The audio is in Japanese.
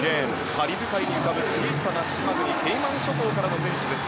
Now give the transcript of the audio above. カリブ海に浮かぶ小さな島国ケイマン諸島からの選手です。